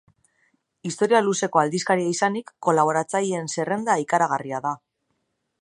Historia luzeko aldizkaria izanik kolaboratzaileen zerrenda ikaragarria da.